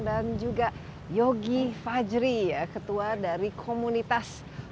dan juga yogi fajri ketua dari komunitas